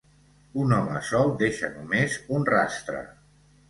Un home sol deixa només un rastre.